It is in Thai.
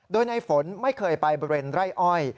โดยนายฝนไม่เคยไปเบรนไล่อ้อย